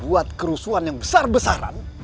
buat kerusuhan yang besar besaran